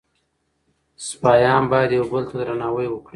سپایان باید یو بل ته درناوی وکړي.